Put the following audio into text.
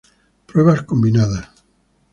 Pruebas Combinadas